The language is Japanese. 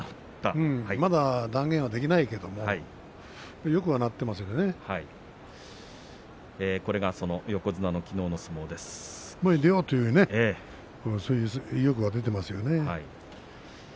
まだ断言はできないけれどもこれが横綱の出ようというその意欲が出ていますよね。